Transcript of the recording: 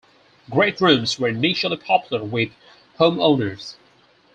Great rooms were initially popular with homeowners.